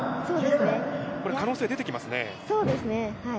可能性出てきますね。